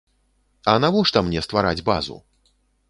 А навошта мне ствараць базу?